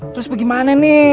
terus bagaimana nih